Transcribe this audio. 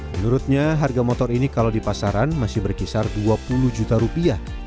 menurutnya harga motor ini kalau di pasaran masih berkisar dua puluh juta rupiah